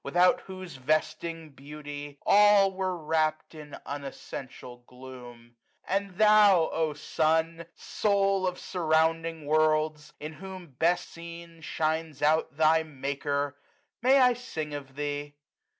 Without whose vesting beauty all were wrapt In unessential gloom ; and thou, O Sun ! Soul of surrounding worlds ! in whom best seen 95 Shines out thy Maker! may I sing of thee?